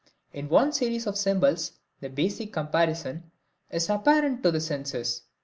In one series of symbols the basic comparison is apparent to the senses.